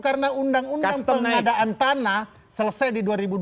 karena undang undang pengadaan tanah selesai di dua ribu dua belas